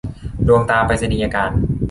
ดวงตราไปรษณียากร